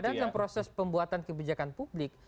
dalam proses pembuatan kebijakan publik